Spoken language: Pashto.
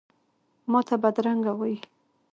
ماته بدرنګه وایې،